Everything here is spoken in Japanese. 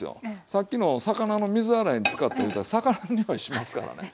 さっきのを魚の水洗いに使っていたら魚のにおいしますからね。